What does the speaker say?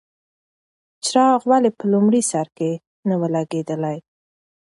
څراغ ولې په لومړي سر کې نه و لګېدلی؟